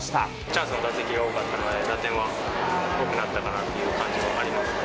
チャンスの打席が多かったので、打点は多くなったかなという感じもありますね。